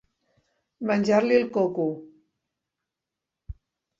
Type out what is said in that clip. Menjar-li el coco.